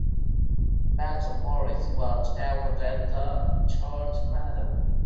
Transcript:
Major Morris was awarded the George Medal.